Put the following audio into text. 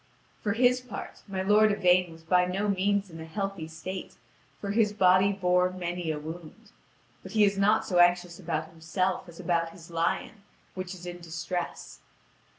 For his part, my lord Yvain was by no means in a healthy state, for his body bore many a wound. But he is not so anxious about himself as about his lion, which is in distress.